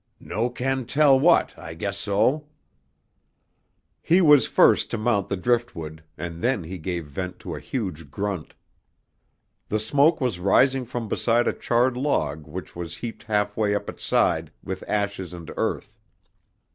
"No can tell what, I guess so!" He was first to mount the driftwood, and then he gave vent to a huge grunt. The smoke was rising from beside a charred log which was heaped half way up its side with ashes and earth.